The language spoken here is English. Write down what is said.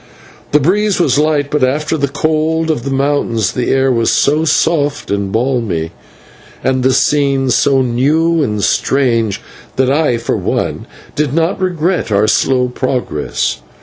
The breeze was light, but after the cold of the mountains the air was so soft and balmy, and the scene so new and strange, that I, for one, did not regret our slow progress.